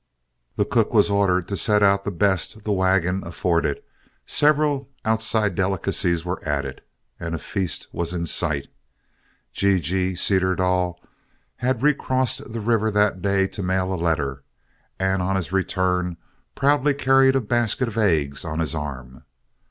The cook was ordered to set out the best the wagon afforded, several outside delicacies were added, and a feast was in sight. G G Cederdall had recrossed the river that day to mail a letter, and on his return proudly carried a basket of eggs on his arm.